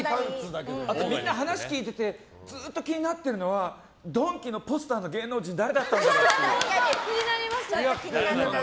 みんな話聞いててずっと気になってるのはドンキのポスターの芸能人誰だったんだろうって。